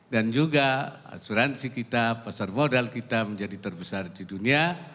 dan juga asuransi kita pasar modal kita menjadi terbesar di dunia